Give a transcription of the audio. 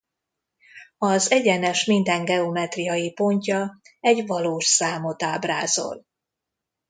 Az egyenes minden geometriai pontja egy valós számot ábrázol.